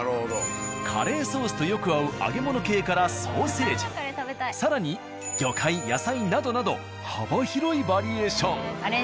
カレーソースとよく合う揚げ物系からソーセージ更に魚介野菜などなど幅広いバリエーション。